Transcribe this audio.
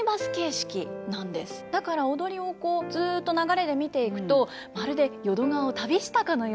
だから踊りをずっと流れで見ていくとまるで淀川を旅したかのような。